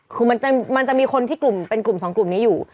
คือมันจะมีคนที่กลุ่มเป็นกลุ่มสองกลุ่มนี้อยู่